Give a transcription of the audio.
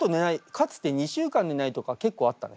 かつて２週間寝ないとか結構あったね。